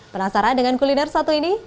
penasaran dengan kuliner satu ini